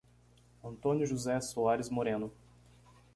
Antônio José Soares Moreno